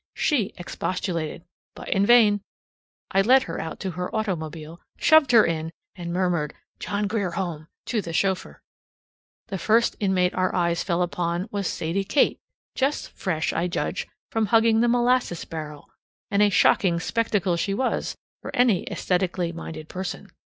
She expostulated; but in vain. I led her out to her automobile, shoved her in, and murmured, "John Grier Home" to the chauffeur. The first inmate our eyes fell upon was Sadie Kate, just fresh, I judge, from hugging the molasses barrel; and a shocking spectacle she was for any esthetically minded person.